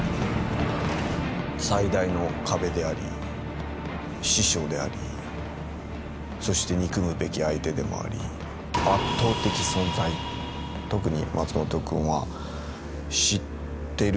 最大の壁であり師匠でありそして憎むべき相手でもありそんな印象ですかね。